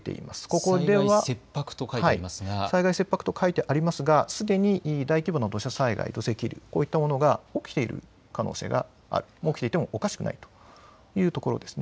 ここでは、災害切迫と書いてありますがすでに大規模な土砂災害土石流が起きている可能性がある、起きていてもおかしくないというところです。